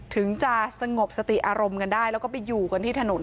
ถึงจะสงบสติอารมณ์กันได้แล้วก็ไปอยู่กันที่ถนน